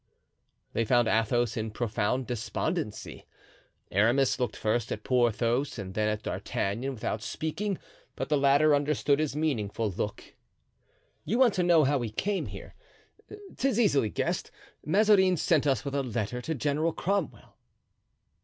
They found Athos in profound despondency; Aramis looked first at Porthos and then at D'Artagnan, without speaking, but the latter understood his meaningful look. "You want to know how we came here? 'Tis easily guessed. Mazarin sent us with a letter to General Cromwell."